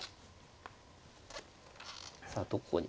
さあどこへ。